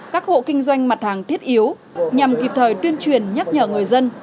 các hộ kinh doanh mặt hàng thiết yếu nhằm kịp thời tuyên truyền nhắc nhở người dân